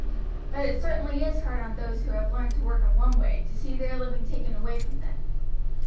But it certainly is hard on those who have learned to work in one way to see their living taken away from them."